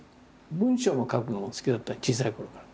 文章を書くのも好きだった小さいころから。